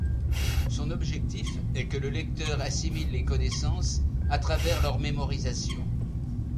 Son objectif est que le lecteur assimile les connaissances à travers leur mémorisation.